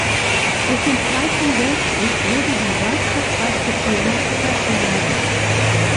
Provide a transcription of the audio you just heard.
Durch den Zweiten Weltkrieg wurde die weitverzweigte Firma zerschlagen.